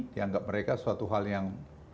dianggap mereka suatu hal yang